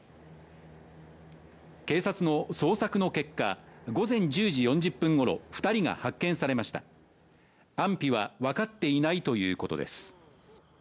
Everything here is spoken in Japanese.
警察の捜索の結果午前１０時４０分ごろ二人が発見されました安否は分かっていないということです